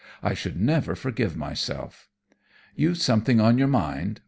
I should never forgive myself. "You've something on your mind!